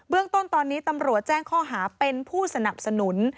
เรื่องต้นตอนนี้ตำรวจแจ้งข้อหาเป็นผู้สนับสนุน